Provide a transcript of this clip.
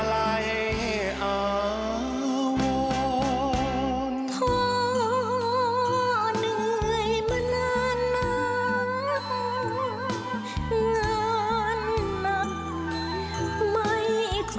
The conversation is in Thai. แม้แต่เฟ้าก็ยังร่องใม่เหมือนรู้ใจ